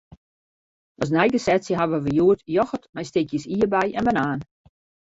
As neigesetsje hawwe wy hjoed yochert mei stikjes ierdbei en banaan.